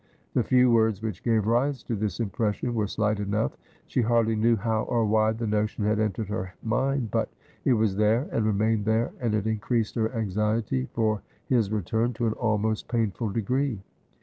The few words which gave rise to this impression were slight enough ; she hardly knew how or why the notion had entered her mind, but it was there, and remained there, and it increased her anxiety for his return to an almost painful degree.